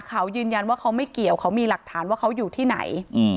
เขายืนยันว่าเขาไม่เกี่ยวเขามีหลักฐานว่าเขาอยู่ที่ไหน